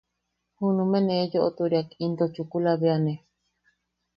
Junume ne yoʼoturiak into chukula bea ne...